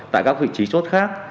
tại các vị trí chốt khác